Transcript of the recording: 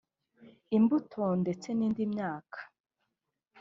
imbuto ndetse n’indi myaka